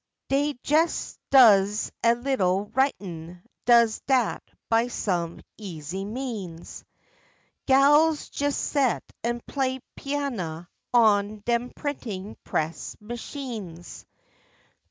Dey jes does a little writin'; does dat by some easy means; Gals jes set an' play piannah on dem printin' press muchines.